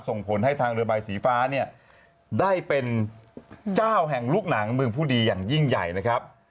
ส่งผลให้ทางเรือใบสีฟ้าเนี่ยได้เป็นเจ้าแห่งลูกหนังเมืองผู้ดีอย่างยิ่งใหญ่นะครับ